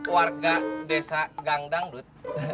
warga desa gangdang lut